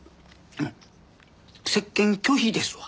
接見拒否ですわ。